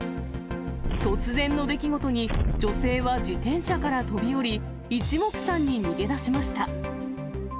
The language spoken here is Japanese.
突然の出来事に、女性は自転車から飛び降り、いちもくさんに逃げ出しました。